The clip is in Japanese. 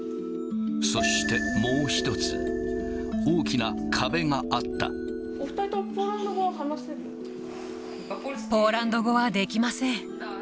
そして、もう一つ、大きな壁お２人とも、ポーランド語はできません。